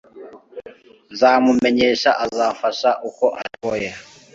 nzamumenyeshe azamfasha uko ashoboye